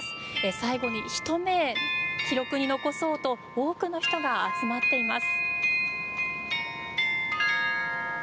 最後にひと目記録に残そうと多くの人が集まっています。